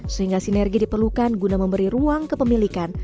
sehingga sinergi diperlukan guna memberi ruang kepemilikan